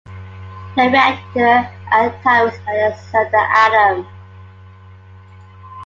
The rector at the time was Alexander Adam.